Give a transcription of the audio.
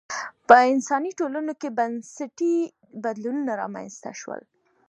په انسان ټولنو کې بنسټي بدلونونه رامنځته شول